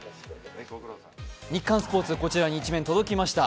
日刊スポーツ、こちらに１面届きました。